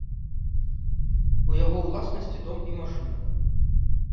У яго ўласнасці дом і машына.